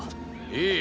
ええ。